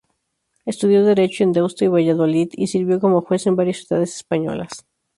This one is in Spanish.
Estudió Derecho en Deusto y Valladolid y sirvió como juez en varias ciudades españolas.